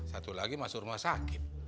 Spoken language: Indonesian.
satu lagi masuk rumah sakit